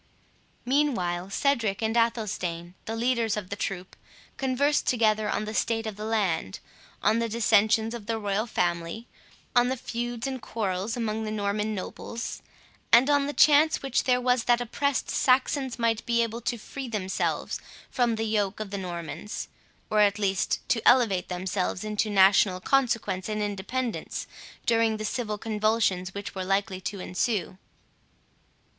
Meanwhile Cedric and Athelstane, the leaders of the troop, conversed together on the state of the land, on the dissensions of the royal family, on the feuds and quarrels among the Norman nobles, and on the chance which there was that the oppressed Saxons might be able to free themselves from the yoke of the Normans, or at least to elevate themselves into national consequence and independence, during the civil convulsions which were likely to ensue.